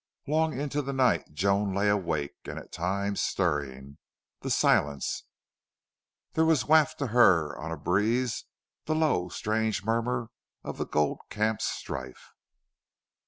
Long into the night Joan lay awake, and at times, stirring the silence, there was wafted to her on a breeze the low, strange murmur of the gold camp's strife.